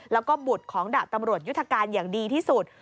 แล้วก็บุตรของดาบตำรวจยุทธการอย่างดีที่สุด